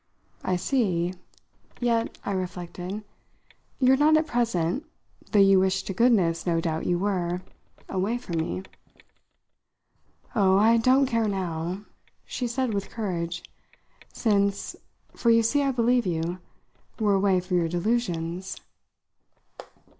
"I see. Yet," I reflected, "you're not at present though you wish to goodness, no doubt, you were away from me." "Oh, I don't care now," she said with courage; "since for you see I believe you we're away from your delusions."